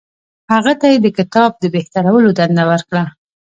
هغه ته یې د کتاب د بهترولو دنده ورکړه.